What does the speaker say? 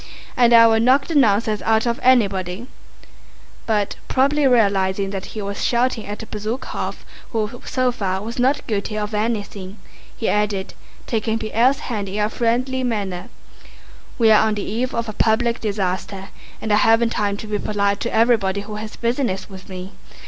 And I will knock the nonsense out of anybody"—but probably realizing that he was shouting at Bezúkhov who so far was not guilty of anything, he added, taking Pierre's hand in a friendly manner, "We are on the eve of a public disaster and I haven't time to be polite to everybody who has business with me.